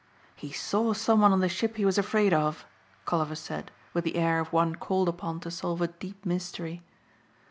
"He saw someone on the ship he was afraid of," Colliver said with the air of one called upon to solve a deep mystery.